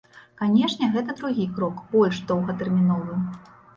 Канешне, гэта другі крок, больш доўгатэрміновы.